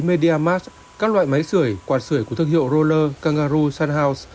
mediamask các loại máy sửa quạt sửa của thương hiệu roller kangaroo sunhouse